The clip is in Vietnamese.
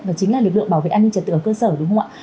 và chính là lực lượng bảo vệ an ninh trật tự ở cơ sở đúng không ạ